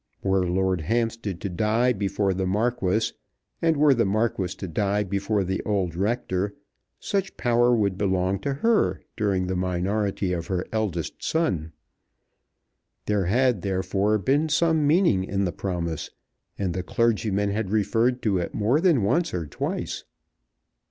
Were Lord Hampstead to die before the Marquis, and were the Marquis to die before the old rector, such power would belong to her during the minority of her eldest son. There had, therefore, been some meaning in the promise; and the clergyman had referred to it more than once or twice.